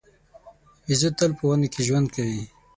بیزو تل په ونو کې ژوند کوي.